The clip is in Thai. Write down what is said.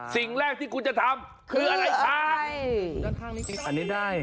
สิ่งแรกที่คุณจะทำคืออะไรช้า